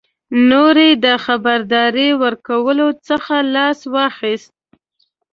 نور یې د خبرداري ورکولو څخه لاس واخیست.